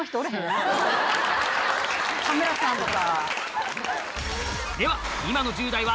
カメラさんとか。